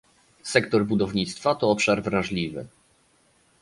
Sektor budownictwa to obszar wrażliwy